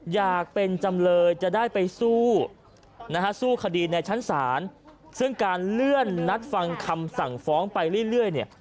อยากเป็นจำเลยจะได้ไปสู้นะฮะสู้คดีในชั้นศาลซึ่งการเลื่อนนัดฟังคำสั่งฟ้องไปเรื่อยเนี่ย